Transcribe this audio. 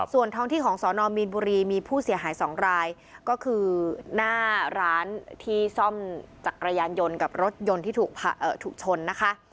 ส่วนท้องที่ของสอนอมีนบุรีมีผู้เสียหาย๒รายก็คือหน้าร้านที่ซ่อมจักรยานยนต์กับรถยนต์ที่ถูกชนนะคะ